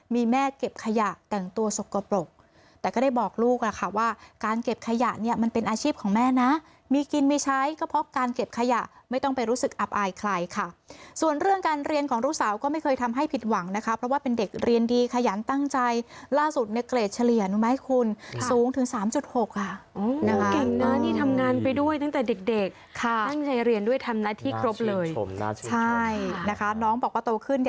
มีแม่เก็บขยะแต่งตัวสกปรกแต่ก็ได้บอกลูกค่ะว่าการเก็บขยะเนี่ยมันเป็นอาชีพของแม่นะมีกินไม่ใช้ก็เพราะการเก็บขยะไม่ต้องไปรู้สึกอับอายใครค่ะส่วนเรื่องการเรียนของลูกสาวก็ไม่เคยทำให้ผิดหวังนะคะเพราะว่าเป็นเด็กเรียนดีขยันตั้งใจล่าสุดในเกรดเฉลี่ยนมั้ยคุณสูงถึง๓๖ค่ะเก่งนะ